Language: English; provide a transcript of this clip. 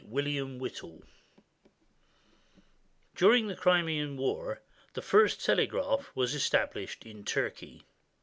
WILLIAM WHITTALL During the Crimean War, the first telegraph was established in Turkey.